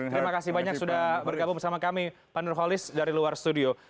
terima kasih banyak sudah bergabung bersama kami pak nurholis dari luar studio